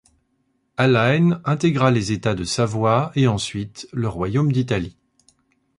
Allein intégra les États de Savoie et ensuite le Royaume d'Italie.